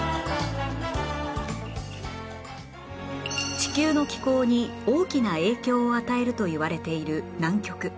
地球の気候に大きな影響を与えるといわれている南極